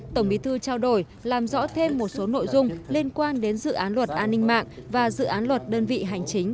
tổng bí thư trao đổi làm rõ thêm một số nội dung liên quan đến dự án luật an ninh mạng và dự án luật đơn vị hành chính